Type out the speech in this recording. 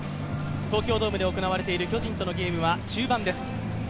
東京ドームで行われている巨人とのゲームは中盤です。